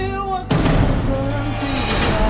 bapak jalan dulu ya